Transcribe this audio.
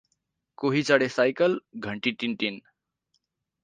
कोही चढे साइकल, घण्टी टिन टिन ।